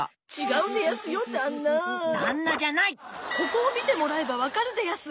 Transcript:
ここをみてもらえばわかるでやす。